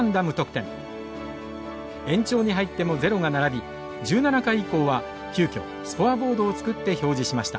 延長に入ってもゼロが並び１７回以降は急きょスコアボードを作って表示しました。